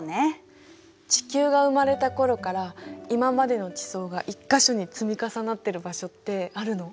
地球が生まれた頃から今までの地層が一か所に積み重なってる場所ってあるの？